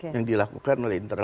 yang dilakukan oleh kompolnas